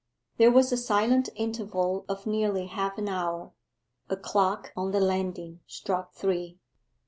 There was a silent interval of nearly half an hour. A clock on the landing struck three.